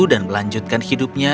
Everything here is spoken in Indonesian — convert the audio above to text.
dan melanjutkan hidupnya